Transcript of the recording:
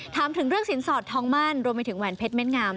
ถามถึงเรื่องสินสอดทองมั่นรวมไปถึงแหวนเพชรเม่นงาม